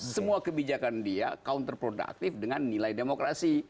semua kebijakan dia counterproductive dengan nilai demokrasi